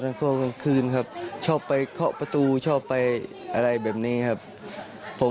แล้วก็กลางคืนครับชอบไปเคาะประตูชอบไปอะไรแบบนี้ครับผม